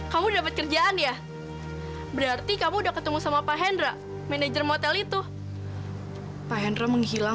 sampai jumpa di video selanjutnya